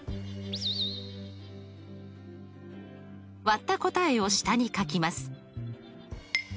割った答えを下に書きます。